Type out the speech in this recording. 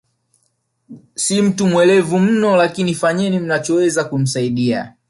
Si mtu mwelevu mno lakini fanyeni mnachoweza kumsaidia